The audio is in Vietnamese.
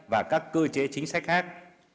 và các cơ chế chính sách khác